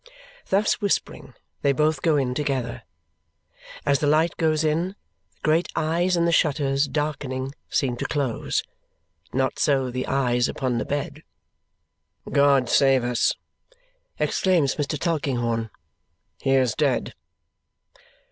Thus whispering, they both go in together. As the light goes in, the great eyes in the shutters, darkening, seem to close. Not so the eyes upon the bed. "God save us!" exclaims Mr. Tulkinghorn. "He is dead!"